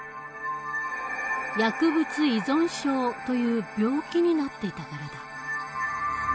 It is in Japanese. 薬物依存症という病気になっていたからだ。